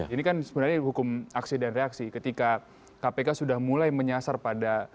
ini kan sebenarnya hukum aksi dan reaksi ketika kpk sudah mulai menyasar pada